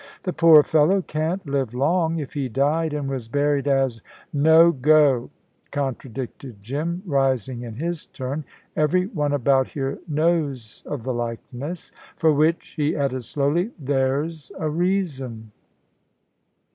"The poor fellow can't live long. If he died, and was buried as " "No go," contradicted Jim, rising in his turn. "Every one about here knows of the likeness; for which," he added slowly, "there's a reason."